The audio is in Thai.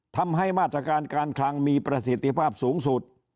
ทำให้มาตรการการคลังมีประสิทธิภาพสูงสุด